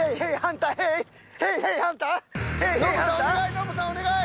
ノブさんお願い！